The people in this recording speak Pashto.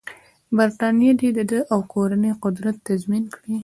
برټانیه دې د ده او کورنۍ قدرت تضمین کړي.